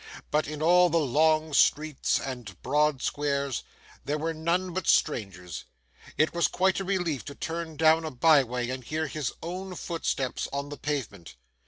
But in all the long streets and broad squares, there were none but strangers; it was quite a relief to turn down a by way and hear his own footsteps on the pavement.